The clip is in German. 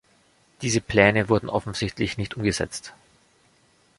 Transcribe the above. Diese Pläne wurden offensichtlich nicht umgesetzt.